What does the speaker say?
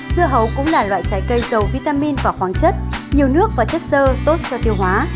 dưa hấu cũng là loại trái cây dầu vitamin và khoáng chất nhiều nước và chất sơ tốt cho tiêu hóa